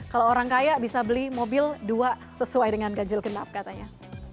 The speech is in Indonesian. kalau orang kaya bisa beli mobil dua sesuai dengan ganjil genap katanya